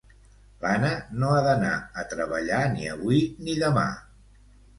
L'Anna no ha d'anar a treballar ni avui ni demà